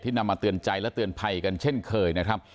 นำมาเตือนใจและเตือนภัยกันเช่นเคยนะครับ